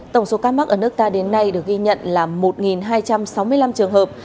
tổng số ca mắc ở nước ta đến nay được ghi nhận là một hai trăm sáu mươi năm trường hợp